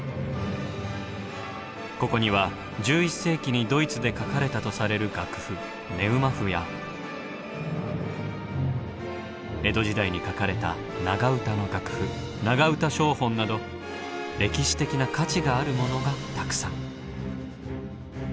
ここには１１世紀にドイツで書かれたとされる楽譜「ネウマ譜」や江戸時代に書かれた長唄の楽譜「長唄正本」など歴史的な価値があるものがたくさん。